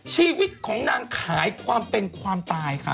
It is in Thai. ชีวิตของนางขายความเป็นความตายค่ะ